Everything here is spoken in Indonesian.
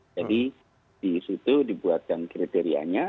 jadi di situ dibuatkan kriterianya